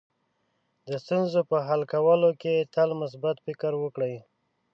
د ستونزو په حل کولو کې تل مثبت فکر وکړئ.